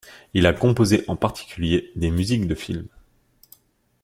Il a composé en particulier des musiques de film.